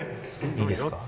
いいですか？